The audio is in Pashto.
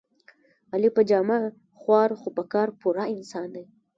علي په جامه خوار خو په کار پوره انسان دی.